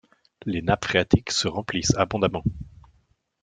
Les nappes phréatiques se remplissent abondamment.